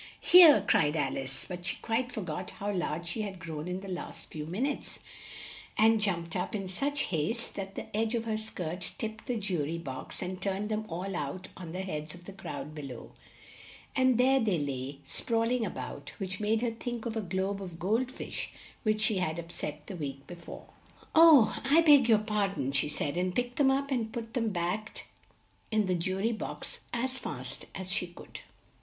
"Here!" cried Al ice, but she quite for got how large she had grown in the last few min utes, and jumped up in such haste that the edge of her skirt tipped the ju ry box and turned them all out on the heads of the crowd be low; and there they lay sprawl ing a bout, which made her think of a globe of gold fish which she had up set the week be fore. "Oh, I beg your par don!" she said, and picked them up and put them backed in the ju ry box as fast as she could.